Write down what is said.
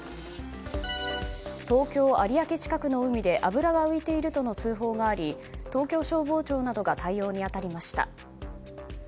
東京・有明近くの海で油が浮いているとの通報があり東京消防庁などが対応に当たりました。